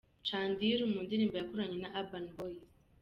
Chandiru mu ndirimbo yakoranye na Urban Boyz.